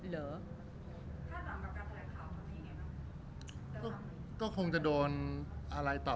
รูปนั้นผมก็เป็นคนถ่ายเองเคลียร์กับเรา